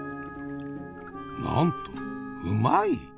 なんとうまい？